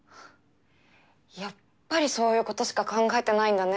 やっぱりそういうことしか考えてないんだね。